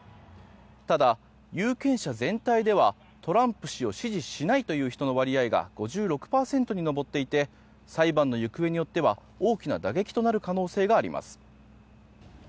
ただ、有権者全体ではトランプ氏を支持しないという人の割合が５６％に上っていて裁判の行方によっては大きな打撃となる可能性があります。